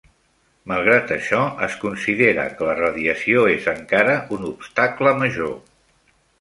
Malgrat això, es considera que la radiació és encara un obstacle major.